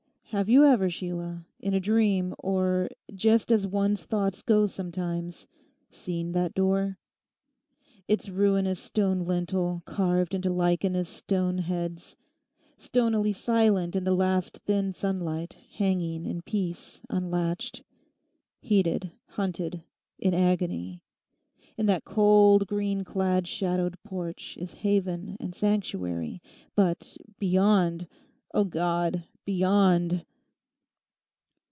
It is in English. Have you ever, Sheila, in a dream, or just as one's thoughts go sometimes, seen that door?...its ruinous stone lintel carved into lichenous stone heads...stonily silent in the last thin sunlight, hanging in peace unlatched. Heated, hunted, in agony—in that cold, green clad shadowed porch is haven and sanctuary....But beyond—O God, beyond!